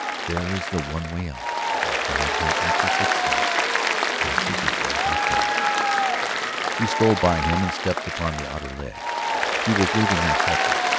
There is the one way out. ... And God help me to succeed. God forgive me if I fail!" She stole by him and stepped upon the outer ledge. She was leaving him helpless